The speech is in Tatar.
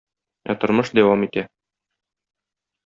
Ә тормыш дәвам итә.